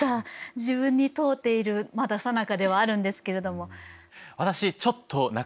自分に問うているまださなかではあるんですけれども。